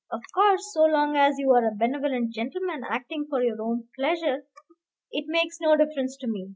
Of course, so long as you are a benevolent gentleman acting for your own pleasure, it makes no difference to me.